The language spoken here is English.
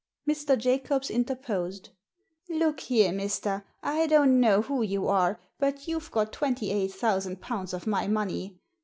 Mr. Jacobs interposed. "Look here, mister, I don't know who you are, but you've got twenty eight thousand pounds of my money.